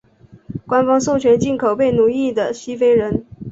官方授权进口被奴役的西非人。